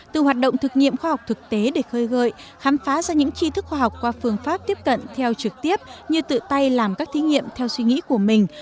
từ hoạt động thực nghiệm khoa học thực tế để khơi gợi khám phá ra những chi thức khoa học qua phương pháp tiếp cận theo trực tiếp như tự tay làm các thí nghiệm theo suy nghĩ của mình